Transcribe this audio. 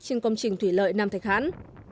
trên công trình thủy lợi nam thạch hãn